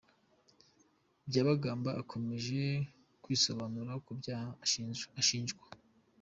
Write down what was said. Byabagamba akomeje kwisobanura ku byaha ashinjwa.